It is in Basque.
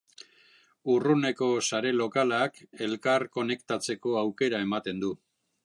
Urruneko sare lokalak elkar konektatzeko aukera ematen du.